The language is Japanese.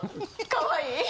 かわいい。